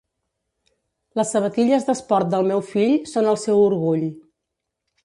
Les sabatilles d'esport del meu fill són el seu orgull.